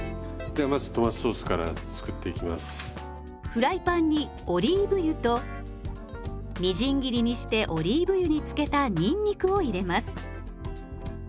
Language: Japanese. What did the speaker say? フライパンにオリーブ油とみじん切りにしてオリーブ油に漬けたにんにくを入れます。